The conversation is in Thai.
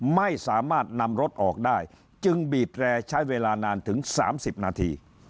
ไม่สามารถนำรถออกได้จึงบีดแร่ใช้เวลานานถึง๓๐นาที